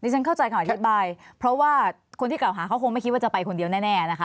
ฉันเข้าใจคำอธิบายเพราะว่าคนที่เก่าหาเขาคงไม่คิดว่าจะไปคนเดียวแน่นะคะ